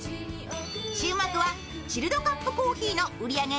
注目はチルドカップコーヒーの売り上げ